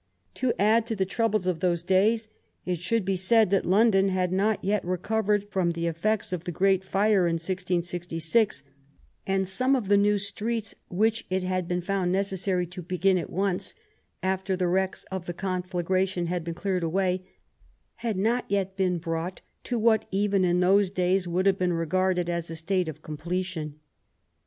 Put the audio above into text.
To add to the troubles of those days, it should be said that London had not yet recovered from the effects of the great fire in 1666, and some of the new streets which it had been found necessary to begin at once, after the wrecks of the conflagration had been cleared away, had not yet been brought to what even in those days would have been regarded as a state of completion.